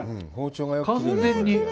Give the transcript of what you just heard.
完全に。